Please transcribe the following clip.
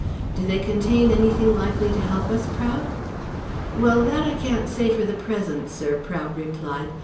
"Do they contain anything likely to help us, Prout?" "Well, that I can't say for the present, sir," Prout replied.